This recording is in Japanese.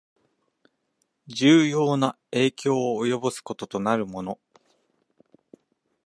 重要な影響を及ぼすこととなるもの